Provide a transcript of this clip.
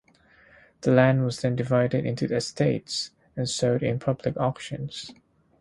The land was then divided into estates and sold in public auction.